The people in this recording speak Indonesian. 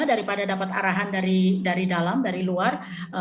daripada dapat arahan dari dalam dari luar